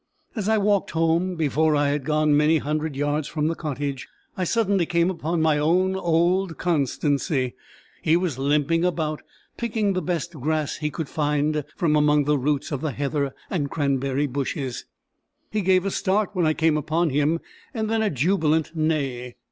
As I walked home, before I had gone many hundred yards from the cottage, I suddenly came upon my own old Constancy. He was limping about, picking the best grass he could find from among the roots of the heather and cranberry bushes. He gave a start when I came upon him, and then a jubilant neigh.